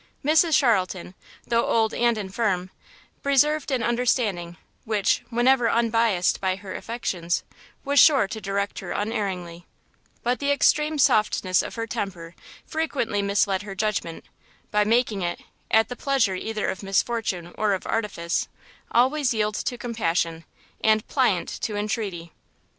Mrs Charlton, though old and infirm, preserved an understanding, which, whenever unbiassed by her affections, was sure to direct her unerringly; but the extreme softness of her temper frequently misled her judgment, by making it, at the pleasure either of misfortune or of artifice, always yield to compassion, and pliant to entreaty.